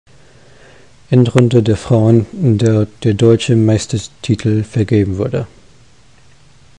Endrunde der Frauen, in der der Deutsche Meistertitel vergeben wurde.